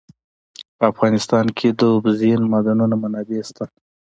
په افغانستان کې د اوبزین معدنونه منابع شته.